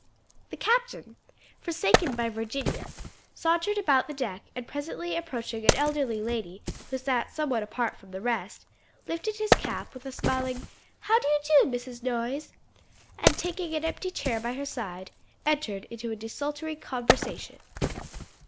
The captain, forsaken by Virginia, sauntered about the deck and presently approaching an elderly lady who sat somewhat apart from the rest, lifted his cap with a smiling "How do you do, Mrs. Noyes?" and taking an empty chair by her side entered into a desultory conversation.